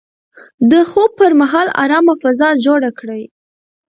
د خوب پر مهال ارامه فضا جوړه کړئ.